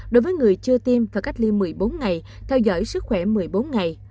đối với người chưa tiêm và cách ly một mươi bốn ngày theo dõi sức khỏe một mươi bốn ngày